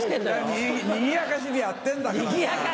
にぎやかしでやってんだからさ。